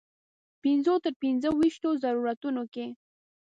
پنځو تر پنځه ویشتو ضرورتونو کې.